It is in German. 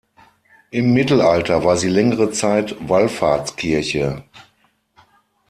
Im Mittelalter war sie längere Zeit Wallfahrtskirche.